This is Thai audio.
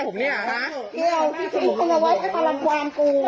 ก็ใช่อย่างงั้นแม่อ่า